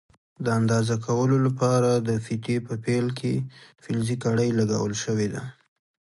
د اندازه کولو لپاره د فیتې په پیل کې فلزي کړۍ لګول شوې ده.